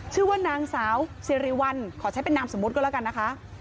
ชื่อว่านางสาวสิริวัลขอใช้เป็นนามสมมุติก็แล้วกันนะคะ